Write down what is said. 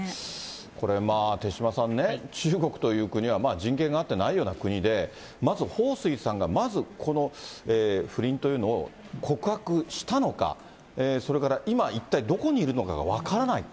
これ、手嶋さんね、中国という国は人権があってないような国で、まずほうすいさんが、まずこの不倫というのを告白したのか、それから今、一体どこにいるのかが分からない。